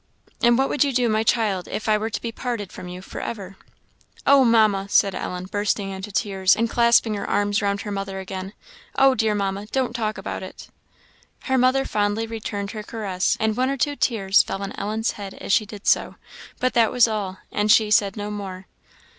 And what would you do, my child, if I were to be parted from you forever?" "Oh, Mamma!" said Ellen, bursting into tears, and clasping her arms round her mother again "Oh, dear Mamma, don't talk about it!" Her mother fondly returned her caress, and one or two tears fell on Ellen's head as she did so, but that was all, and she said no more.